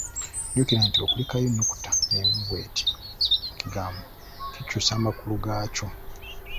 Jjukira nti okulekayo ennukuta emu bw'eti mu kigambo kikyusa amakulu gaakyo.